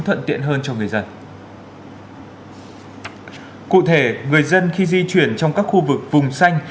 thuận tiện hơn cho người dân cụ thể người dân khi di chuyển trong các khu vực vùng xanh